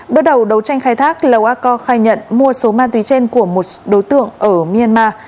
bước đầu đấu tranh khai thác lầu a co khai nhận mua số ma túy trên của một đối tượng ở myanmar